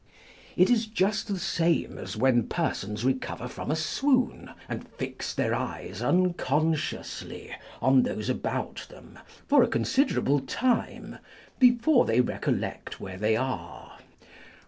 It is just the same as when persons recover from a swoon, and fix their eyes unconsciously on those about them, for a considerable time before they recollect where they arc.